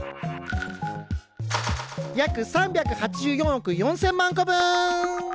約３８４億４０００万個分！